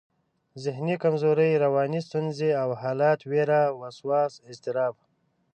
ذهني کمزوري، رواني ستونزې او حالت، وېره، وسواس، اضطراب